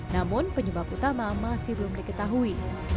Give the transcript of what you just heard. namun penyebab utama masih belum diketahui